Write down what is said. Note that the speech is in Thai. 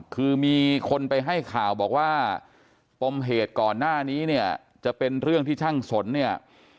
คือมีคนไปให้ข่าวบอกว่าปมเหตุก่อนหน้านี้เนี่ยจะเป็นเรื่องที่ช่างสนเนี่ย